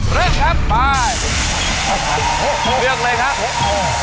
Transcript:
เลือกเลยครับ